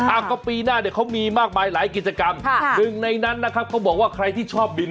อ่ะก็ปีหน้าเนี่ยเขามีมากมายหลายกิจกรรมค่ะหนึ่งในนั้นนะครับเขาบอกว่าใครที่ชอบบิน